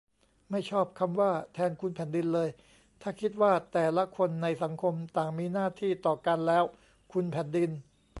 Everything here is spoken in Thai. ไม่ชอบคำว่า 'แทนคุณแผ่นดิน' เลย ถ้าคิดว่าแต่ละคนในสังคมต่างมีหน้าที่ต่อกัน แล้ว 'คุณแผ่นดิน'